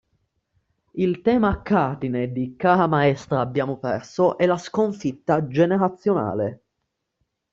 Il tema cardine di "Cara maestra abbiamo perso" è la sconfitta generazionale.